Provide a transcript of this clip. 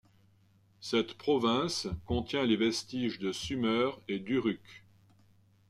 Cette province contient les vestiges de Sumer et d'Uruk.